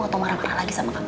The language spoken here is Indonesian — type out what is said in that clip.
atau marah marah lagi sama kami